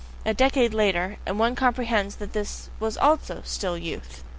A decade later, and one comprehends that all this was also still youth!